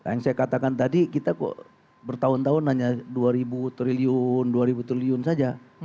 yang saya katakan tadi kita kok bertahun tahun hanya dua ribu triliun dua ribu triliun saja